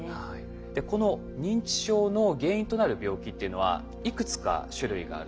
この認知症の原因となる病気っていうのはいくつか種類があるんです。